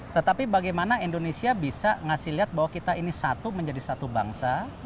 tetapi bagaimana indonesia bisa ngasih lihat bahwa kita ini satu menjadi satu bangsa